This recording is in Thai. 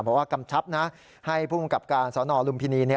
บอกว่ากำชับให้ผู้กับการสนลุมพินี